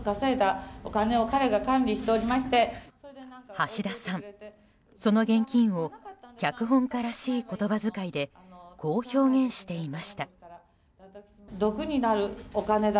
橋田さん、その現金を脚本家らしい言葉づかいでこう表現していました。